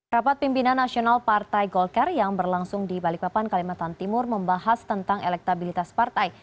rapat pimpinan nasional partai golkar yang berlangsung di balikpapan kalimantan timur membahas tentang elektabilitas partai